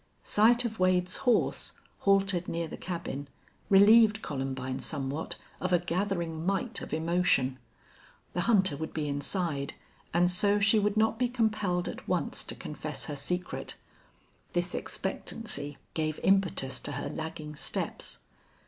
Sight of Wade's horse haltered near the cabin relieved Columbine somewhat of a gathering might of emotion. The hunter would be inside and so she would not be compelled at once to confess her secret. This expectancy gave impetus to her lagging steps.